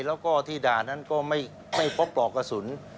แล้วก็ที่ด่านั้นก็ไม่พบปลอกกระสุน